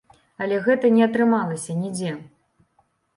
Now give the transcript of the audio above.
Але гэта не атрымалася нідзе.